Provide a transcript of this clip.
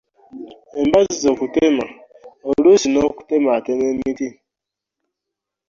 Embazzi okutema, oluusi n’okutemaatema emiti.